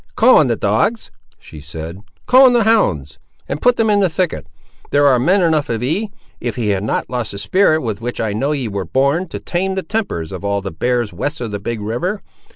"Call in the dogs!" she said; "call in the hounds, and put them into the thicket; there ar' men enough of ye, if ye have not lost the spirit with which I know ye were born, to tame the tempers of all the bears west of the big river.